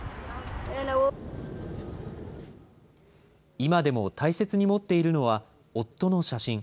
今でも大切に持っているのは、夫の写真。